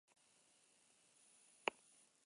Zaleek musika eta tabernak dituzte bertan.